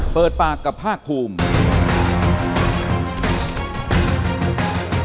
เปิดปากกับภาคภูมิ